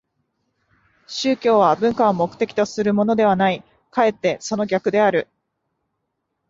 宗教は文化を目的とするものではない、かえってその逆である。